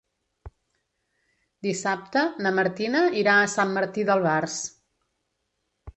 Dissabte na Martina irà a Sant Martí d'Albars.